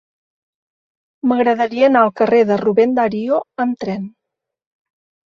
M'agradaria anar al carrer de Rubén Darío amb tren.